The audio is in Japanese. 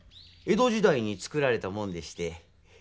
江戸時代に作られたもんでして。